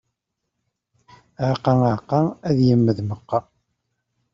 Aɛeqqa, aɛeqqa, ad yemmed meqqa.